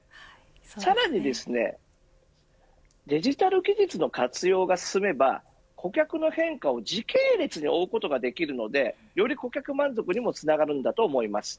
さらにデジタル技術の活用が進めば顧客の変化を時系列で追うことができるのでより顧客満足にもつながると思います。